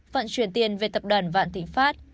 vận chuyển tiền về tập đoàn vạn thịnh pháp